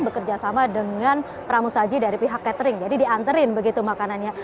bekerja sama dengan pramu saji dari pihak catering jadi dianterin begitu makanannya